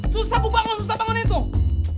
susah bu bangun susah bangun ini tuh